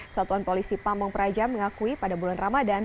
satuan polisi pamung praja mengakui pada bulan ramadan